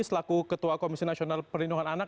selaku ketua komisi nasional perlindungan anak